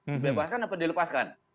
dibebaskan apa dilepaskan